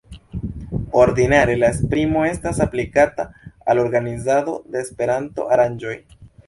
Ordinare la esprimo estas aplikata al organizado de Esperanto-aranĝoj.